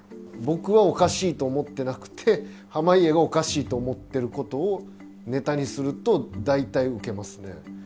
僕はおかしいと思ってなくて濱家がおかしいと思ってることをネタにすると大体ウケますね。